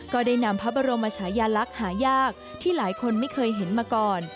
ก็ได้นำพระบรมชายาลักษณ์หายากที่หลายคนไม่เคยเห็นมาก่อน